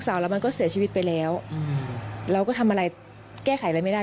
แล้วมันก็เสียชีวิตไปแล้วอืมเราก็ทำอะไรแก้ไขอะไรไม่ได้